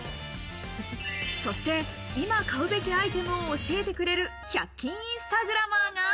そして今買うべきアイテムを教えてくれる１００均インスタグラマーが。